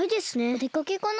おでかけかな。